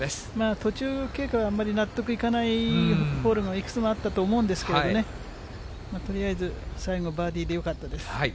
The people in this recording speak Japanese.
途中経過があんまり、納得いかないホールがいくつもあったと思うんですけどね、とりあえず、最後バーディーでよかったです。